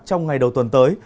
trong ngày đầu tuần tới